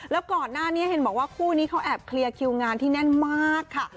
แล้วก่อนหน้านี้เห็นบอกว่าคู่นี้เขาแอบเคลียร์คิวงานที่แน่นมากค่ะ